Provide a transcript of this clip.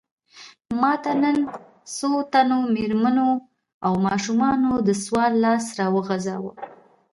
ماته نن څو تنو مېرمنو او ماشومانو د سوال لاس راوغځاوه.